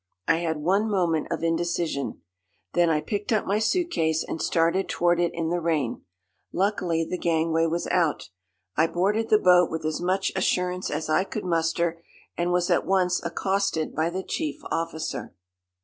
I had one moment of indecision. Then I picked up my suitcase and started toward it in the rain. Luckily the gangway was out. I boarded the boat with as much assurance as I could muster, and was at once accosted by the chief officer.